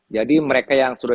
jadi mereka yang sudah